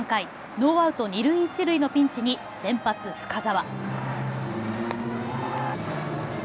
ノーアウト二塁一塁のピンチに先発・深沢。